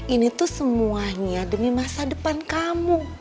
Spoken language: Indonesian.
ini tuh semuanya demi masa depan kamu